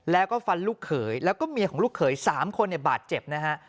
แล้วก็ฟันลูกเขยแล้วก็เมียของลูกเขย๓คนบาดเจ็บนะฮะ